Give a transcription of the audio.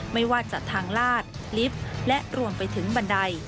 ไม่ว่าจะทางลาดลิฟต์และรวมไปถึงบันได